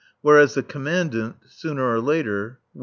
Whereas the Commandant, sooner or later, will.